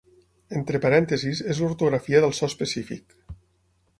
Entre parèntesis és l'ortografia del so específic.